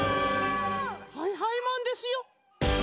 はいはいマンですよ！